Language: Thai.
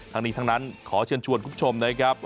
ทั้งนี้ทั้งนั้นขอเชิญชวนคุณผู้ชมนะครับ